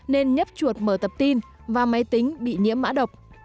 nên nhấp chuột mở tập tin và máy tính bị nhiễm mã độc